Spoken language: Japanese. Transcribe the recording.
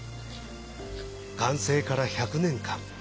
完成から１００年間